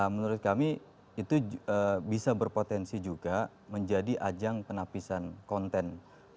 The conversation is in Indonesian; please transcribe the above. menurut kami itu bisa berpotensi juga menjadi ajang penapisan konten